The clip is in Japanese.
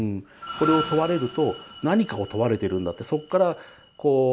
これを問われると何かを問われてるんだってそっからこう関心を向けられる。